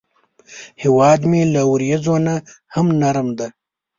هیواد مې له وریځو نه هم نرم دی